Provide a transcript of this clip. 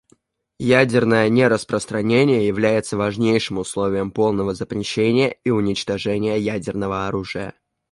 Ядерное нераспространение является важнейшим условием полного запрещения и уничтожения ядерного оружия.